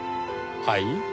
はい？